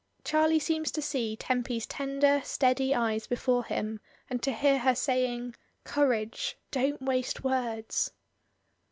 Charlie seems to see Tempy*s tender steady eyes before him and to hear her saying, "Courage! don't wast^ words."